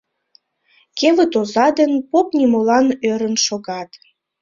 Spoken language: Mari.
Кевыт оза ден поп нимолан ӧрын шогат.